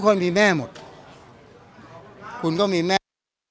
อ๋อทุกคนมีแม่หมดคุณก็มีแม่